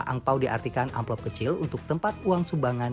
angpao diartikan amplop kecil untuk tempat uang subangan